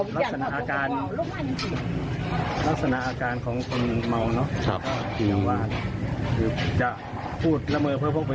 เป็นรักษณะเป็นคนซึมเศร้าด้วยรักษณะประมาณนั้น